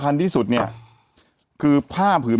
แต่หนูจะเอากับน้องเขามาแต่ว่า